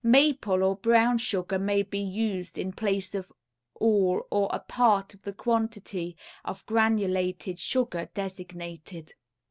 Maple or brown sugar may be used in place of all or a part of the quantity of granulated sugar designated.